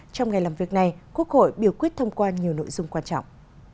trong ngày làm việc này quốc hội biểu quyết thông qua nhiều nội dung quan trọng